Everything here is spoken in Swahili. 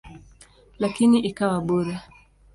Lakini ikawa bure.